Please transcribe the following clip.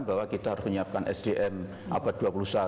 bahwa kita harus menyiapkan sdm abad dua puluh satu